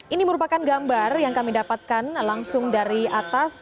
ini merupakan gambar yang kami dapatkan langsung dari atas